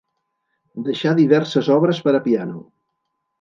Deixà diverses obres per a piano.